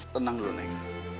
tenang dulu neng